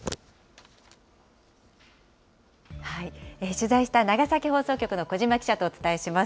取材した長崎放送局の小島記者とお伝えします。